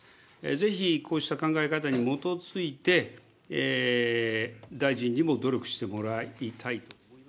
ぜひこうした考え方に基づいて、大臣にも努力してもらいたいと。